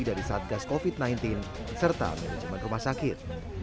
dari satgas covid sembilan belas serta manajemen rumah sakit